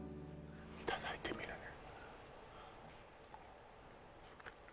いただいてみるね